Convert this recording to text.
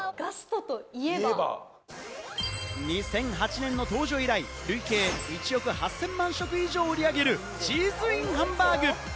２００８年の登場以来、累計１億８０００万食以上を売り上げるチーズＩＮハンバーグ。